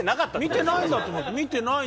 見てないんだと思います。